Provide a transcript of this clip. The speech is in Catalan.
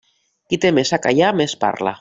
Qui té més a callar més parla.